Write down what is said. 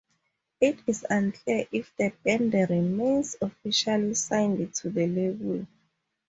It is unclear if the band remains officially signed to the label.